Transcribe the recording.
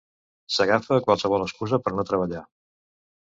S'agafa a qualsevol excusa per no treballar.